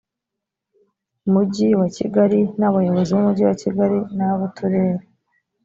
mujyi wa kigali n abayobozi b umujyi wa kigali n ab uturere